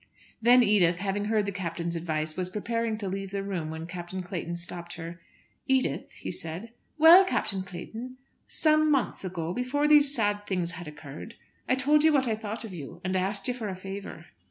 Then Edith having heard the Captain's advice was preparing to leave the room when Captain Clayton stopped her. "Edith," he said. "Well, Captain Clayton." "Some months ago, before these sad things had occurred, I told you what I thought of you, and I asked you for a favour."